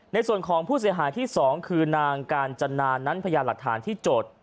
ในส่วนของผู้เสียหายที่๒คือนางกาญจนานั้นพยานหลักฐานที่จด